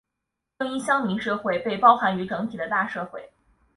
正因乡民社会被包含于整体的大社会。